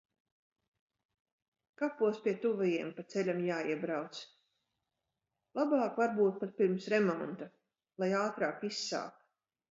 Kapos pie tuvajiem pa ceļam jāiebrauc. Labāk varbūt pat pirms remonta, lai ātrāk izsāp.